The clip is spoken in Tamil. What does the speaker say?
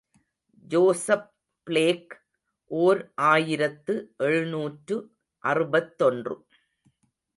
ஜோசப் பிளேக், ஓர் ஆயிரத்து எழுநூற்று அறுபத்தொன்று.